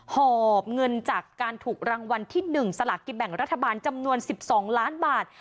หอบเงินจากการถูกรางวัลที่๑สลากกินแบ่งรัฐบาลจำนวน๑๒ล้านบาท